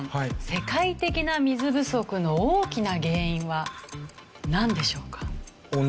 世界的な水不足の大きな原因はなんでしょうか？